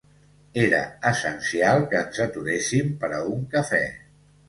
Era essencial que ens aturéssim per a un cafè.